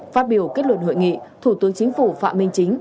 phát biểu kết luận hội nghị thủ tướng chính phủ phạm minh chính